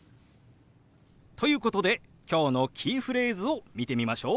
ということで今日のキーフレーズを見てみましょう。